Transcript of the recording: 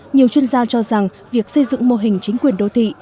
nhiều chuyên gia cho rằng việc xây dựng mô hình chính quyền đô thị